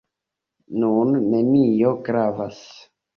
Nun nenio gravas.